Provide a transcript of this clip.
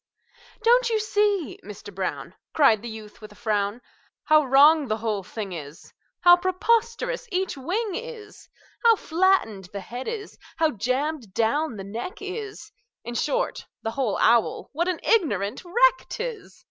"Don't you see, Mister Brown," Cried the youth, with a frown, "How wrong the whole thing is, How preposterous each wing is, How flattened the head is, how jammed down the neck is In short, the whole owl, what an ignorant wreck 't is!